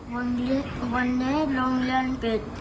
วันนี้โรงเรียนปิด